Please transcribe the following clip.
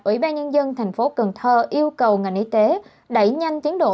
ủy ban nhân dân tp cần thơ yêu cầu ngành y tế đẩy nhanh tiến độ